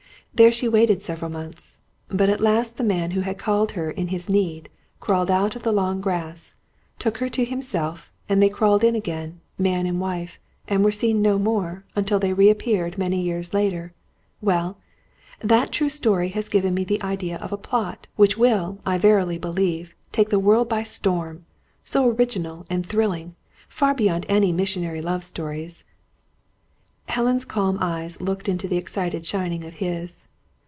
There she waited several months. But at last the man who had called to her in his need, crawled out of the long grass, took her to himself, and they crawled in again man and wife and were seen no more, until they reappeared many years later. Well that true story has given me the idea of a plot, which will, I verily believe, take the world by storm! So original and thrilling! Far beyond any missionary love stories." Helen's calm eyes looked into the excited shining of his.